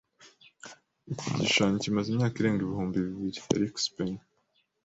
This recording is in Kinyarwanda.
Iki gishushanyo kimaze imyaka irenga ibihumbi bibiri. (erikspen)